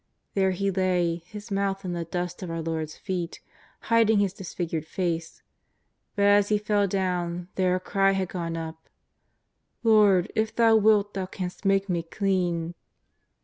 There he lay, his mouth in the dust of our Lord's feet, hiding his disfig ured face. But as he fell down there a cry had gone up :" Lord, if Thou wilt Thou canst make me clean."